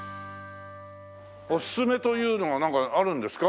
おすすめというのがなんかあるんですか？